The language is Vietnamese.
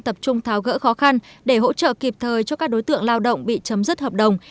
tập trung tháo gỡ khó khăn để hỗ trợ kịp thời cho các đối tượng lao động bị chấm dứt hợp đồng